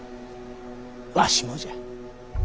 わしもじゃ。